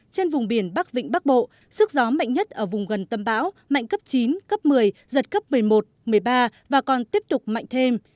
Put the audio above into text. trên vùng biển bắc vịnh bắc bộ sức gió mạnh nhất ở vùng gần tâm bão mạnh cấp chín cấp một mươi giật cấp một mươi một một mươi ba và còn tiếp tục mạnh thêm